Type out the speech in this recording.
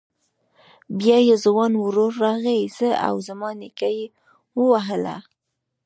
بيا يې ځوان ورور راغی زه او زما نيکه يې ووهلو.